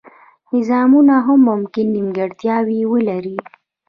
نظامونه هم ممکن نیمګړتیاوې ولري.